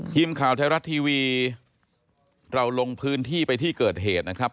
ทีมข่าวไทยรัฐทีวีเราลงพื้นที่ไปที่เกิดเหตุนะครับ